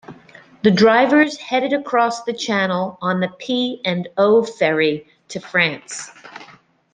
The drivers headed across the Channel on the P and O Ferry to France.